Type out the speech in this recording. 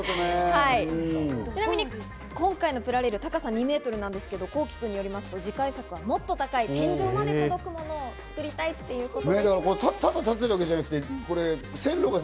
ちなみに今回のプラレールは高さ２メートルなんですが、こうきくんによりますと、次回作はもっと高い天井まで届くものを作りたいということです。